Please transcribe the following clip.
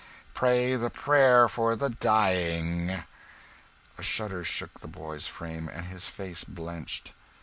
Pray the prayer for the dying!" A shudder shook the boy's frame, and his face blenched.